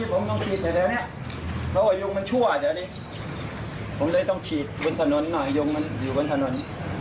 ผมเลยต้องฉีดบนถนนหน้ายุงมันอยู่บนถนน